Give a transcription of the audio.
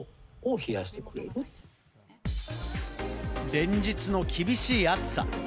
連日の厳しい暑さ。